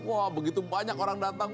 wah begitu banyak orang datang